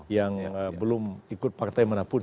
yang belum ikut partai mana pun